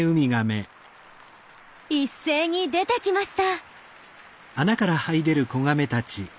一斉に出てきました。